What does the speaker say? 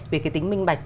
về cái tính minh bạch